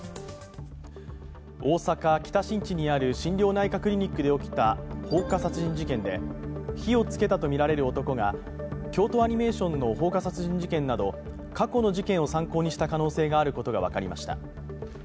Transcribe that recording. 大阪・北新地にある心療内科クリニックで起きた放火殺人事件で火をつけたとみられる男が京都アニメーションの放火殺人事件など過去の事件を参考にした可能性があることが分かりました。